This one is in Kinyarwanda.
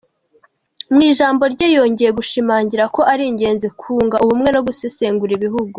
Mu ijambo rye yongeye gushimangira ko ari ingenzi kunga ubumwe no gusengera ibihugu.